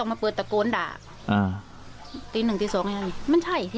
อืม